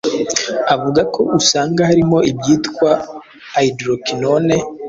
Avuga ko usanga harimo ibyitwa Hydroquinone,